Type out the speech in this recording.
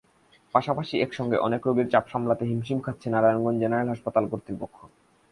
পাশাপাশি একসঙ্গে অনেক রোগীর চাপ সামলাতে হিমশিম খাচ্ছে নারায়ণগঞ্জ জেনারেল হাসপাতাল কর্তৃপক্ষ।